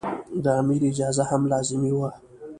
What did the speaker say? د امیر اجازه هم لازمي وه.